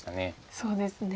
そうですね。